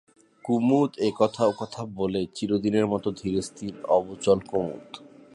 কুমুদ একথা ওকথা বলে, চিরদিনের মতো ধীর স্থির অবিচল কুমুদ।